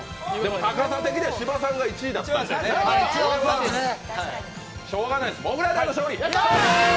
でも、高さ的には芝さんが一番だったんで、しようがないです、モグライダーの勝利！